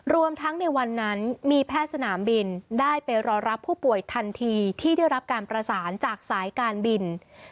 รวมทั้งในวันนั้นมีแพทย์สนามบิน